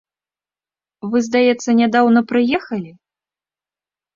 Вы, здаецца, нядаўна прыехалі?